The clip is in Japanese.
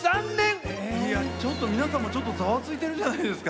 ちょっと皆さんもざわついてるじゃないですか。